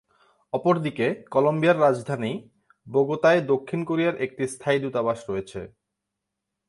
অপরদিকে, কলম্বিয়ার রাজধানী, বোগোতায় দক্ষিণ কোরিয়ার একটি স্থায়ী দূতাবাস রয়েছে।